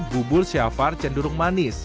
bubur syafar cenderung manis